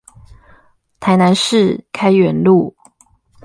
台南市開元路